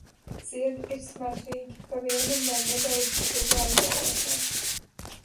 Ziedi ir smaržīgi, pa vienam vai nedaudzi stublāja galotnē.